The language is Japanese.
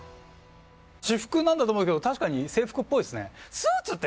私服なんだと思うけど確かに制服っぽいっすね。